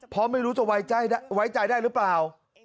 เพราะไม่รู้จะไว้ใจได้หรือเปล่า